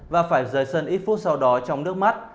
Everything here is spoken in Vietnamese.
và phải rời sân ít phút sau đó trong nước mắt